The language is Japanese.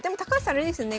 あれですよね